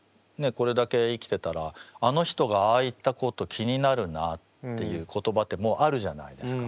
これだけ生きてたらあの人がああ言ったこと気になるなっていう言葉ってもうあるじゃないですか。